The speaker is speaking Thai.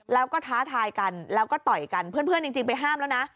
แล้วก็ท้าทายกันแล้วก็ต่อยกันเพื่อนจริงไปห้ามแล้วนะ